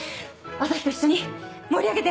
朝陽と一緒に盛り上げて！